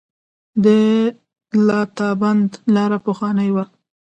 د لاتابند لاره پخوانۍ وه